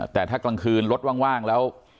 แต่ถ้ากลางคืนรถว่างแล้ว